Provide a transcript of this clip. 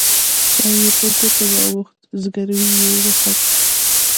چای يې په ګوتو واوښت زګيروی يې وخوت.